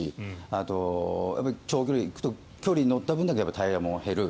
あと、長距離行くと距離乗った分だけタイヤも減る。